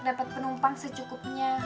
dapet penumpang secukupnya